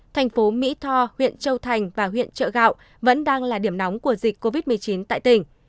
thành phố mỹ tho huyện châu thành và huyện trợ gạo vẫn đang là điểm nóng của dịch covid một mươi chín tại tỉnh